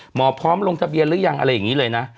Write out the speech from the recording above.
หมอพร้อมลงทะเบียนหรือยังอะไรอย่างนี้เลยนะ